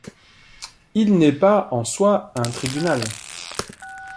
Il n’est pas, en soi, un tribunal.